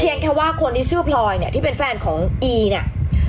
แค่ว่าคนที่ชื่อพลอยเนี่ยที่เป็นแฟนของอีเนี่ย